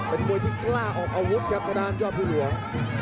เป็นมุ้ยที่กล้าออกอาวุธครับประดานเจ้าผู้หลวง